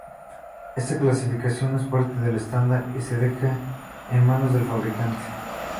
Esta clasificación no es parte del estándar, y se deja en manos del fabricante.